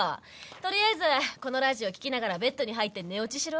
とりあえずこのラジオ聴きながらベッドに入って寝落ちしろ。